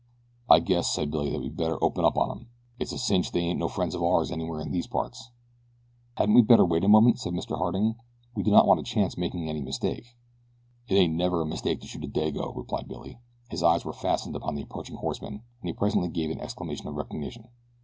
"I guess," said Billy, "that we'd better open up on 'em. It's a cinch they ain't no friends of ours anywhere in these parts." "Hadn't we better wait a moment," said Mr. Harding; "we do not want to chance making any mistake." "It ain't never a mistake to shoot a Dago," replied Billy. His eyes were fastened upon the approaching horsemen, and he presently gave an exclamation of recognition.